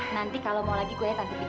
nanti kalau mau lagi kuliah tante bikin ya